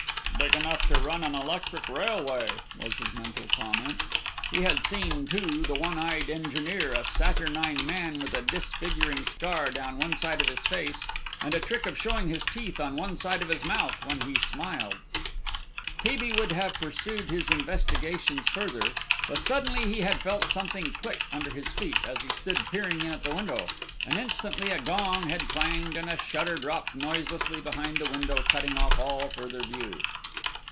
"Big enough to run an electric railway," was his mental comment. He had seen, too, the one eyed engineer, a saturnine man with a disfiguring scar down one side of his face, and a trick of showing his teeth on one side of his mouth when he smiled. T. B. would have pursued his investigations further, but suddenly he had felt something click under his feet, as he stood peering in at the window, and instantly a gong had clanged, and a shutter dropped noiselessly behind the window, cutting off all further view.